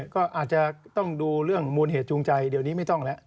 ก็อาจจะต้องดูเรื่องมูลเหตุจูงใจเดี๋ยวนี้ไม่ต้องแล้ว